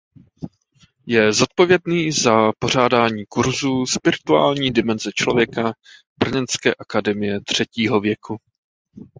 Je zodpovědný za pořádání kurzů Spirituální dimenze člověka Brněnské akademie třetího věku.